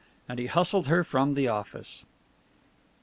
And he hustled her from the office.